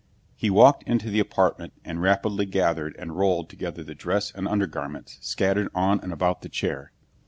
He walked into the apartment and rapidly gathered and rolled together the dress and undergarments scattered on and about the chair.